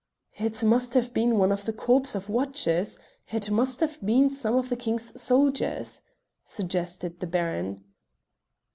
"It must have been one of the corps of watches; it must have been some of the king's soldiers," suggested the Baron.